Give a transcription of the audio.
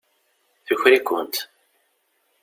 Tuker-ikent.